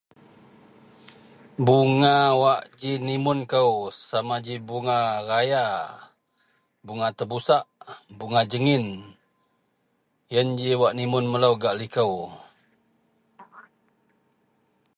bunga wak ji nimun kou, sama ji bunga raya, bunga terabusak, bunga jegin, ien ji wak nimun melou gak likou